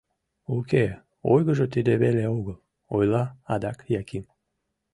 — Уке, ойгыжо тиде веле огыл, — ойла адак Яким.